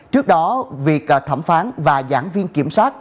trước đó việc thẩm phán và giảng viên kiểm soát